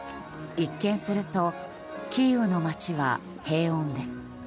一見するとキーウの街は平穏です。